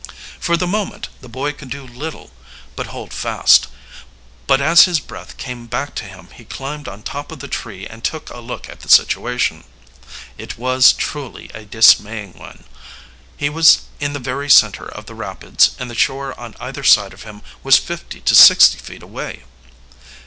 For the moment the boy could do little but hold fast, but as his breath came back to him he climbed on top of the tree and took a look at the situation. It was truly a dismaying one. He was in the very center of the rapids, and the shore on either side of him was fifty to sixty feet away.